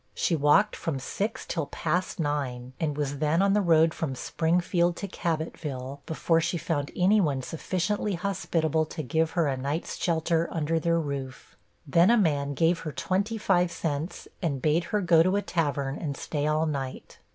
She walked from six till past nine, and was then on the road from Springfield to Cabotville, before she found any one sufficiently hospitable to give her a night's shelter under their roof. Then a man gave her twenty five cents, and bade her go to a tavern and stay all night.